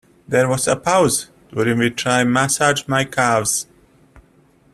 There was a pause, during which I massaged my calves.